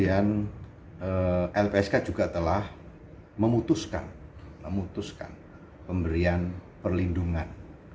apa bentuk bentuk pemberian perlindungan